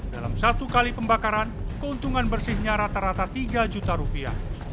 dalam satu kali pembakaran keuntungan bersihnya rata rata tiga juta rupiah